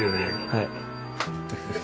はい。